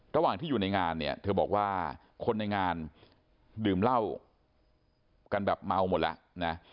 ระหว่างที่อยู่ในงานเนี่ยเธอบอกว่าคนในงานดื่มเหล้ากันแบบเมาหมดแล้วนะ